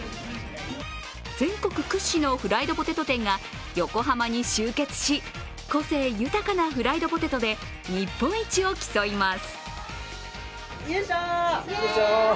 全国屈指のフライドポテト店が横浜に集結し個性豊かなフライドポテトで日本一を競います。